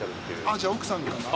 じゃあ奥さんかな。